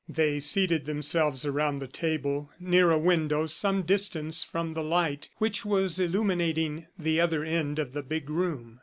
They seated themselves around the table, near a window some distance from the light which was illuminating the other end of the big room.